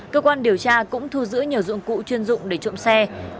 cơ quan điều tra cũng thu giữ nhiều dụng cụ chuyên dụng để trộm xe